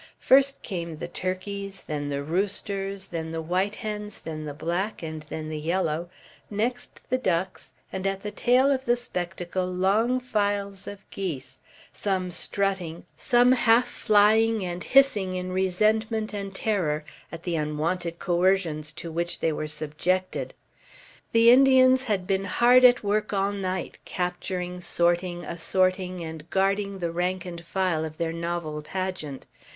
First came the turkeys, then the roosters, then the white hens, then the black, and then the yellow, next the ducks, and at the tail of the spectacle long files of geese, some strutting, some half flying and hissing in resentment and terror at the unwonted coercions to which they were subjected. The Indians had been hard at work all night capturing, sorting, assorting, and guarding the rank and file of their novel pageant.